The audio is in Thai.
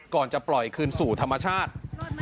ก่อนจะปล่อยคืนสู่ธรรมชาติ